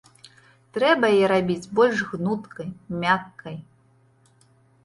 Трэба яе рабіць больш гнуткай, мяккай.